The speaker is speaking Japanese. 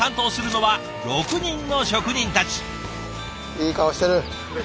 いい顔してる。